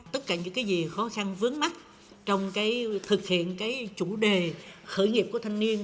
tất cả những cái gì khó khăn vướng mắt trong thực hiện chủ đề khởi nghiệp của thanh niên